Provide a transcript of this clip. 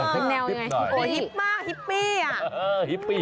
อ๋อเป็นแนวยังไงฮิปอ่ะฮิปปี้